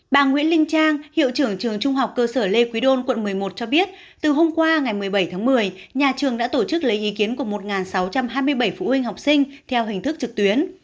bà nguyễn linh trang hiệu trưởng trường trung học cơ sở lê quý đôn quận một mươi một cho biết từ hôm qua ngày một mươi bảy tháng một mươi nhà trường đã tổ chức lấy ý kiến của một sáu trăm hai mươi bảy phụ huynh học sinh theo hình thức trực tuyến